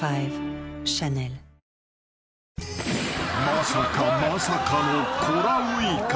［まさかまさかのコラーウイカ］